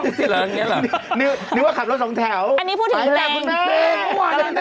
เลิกรากค่ะเลิกรากของศิลปิน